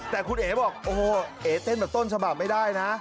แต่คุณเอ๋บอกโอ้โหเอ๋เต้นแบบต้นฉบับไม่ได้นะ